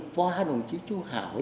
qua đồng chí chu hảo